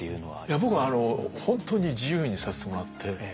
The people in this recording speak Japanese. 僕は本当に自由にさせてもらって。